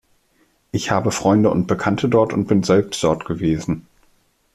Ich habe Freunde und Bekannte dort und bin selbst dort gewesen.